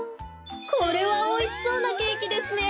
これはおいしそうなケーキですね。